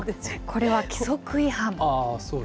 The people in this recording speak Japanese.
これは規則違反。